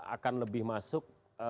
akan lebih masuk